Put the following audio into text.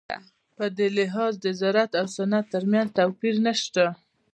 په دې لحاظ د زراعت او صنعت ترمنځ توپیر نشته.